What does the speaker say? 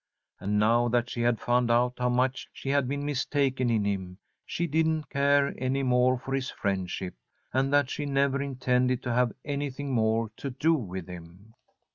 And now that she had found out how much she had been mistaken in him, she didn't care any more for his friendship, and that she never intended to have anything more to do with him.